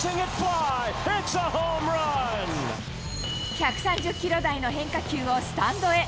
１３０キロ台の変化球をスタンドへ。